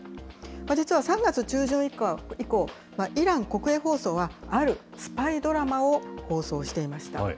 実は３月中旬以降、イラン国営放送はあるスパイドラマを放送していました。